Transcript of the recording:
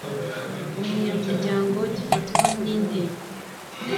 umunyamuryango gifatwa n inteko